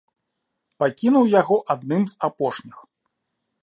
Пакінуў яго адным з апошніх.